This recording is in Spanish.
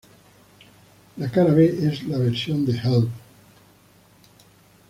La cara B es una versión de "Help!